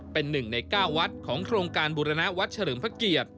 เป็น๑ใน๙วัดของโครงการบุรณวัดเฉลิมพระเกียรติ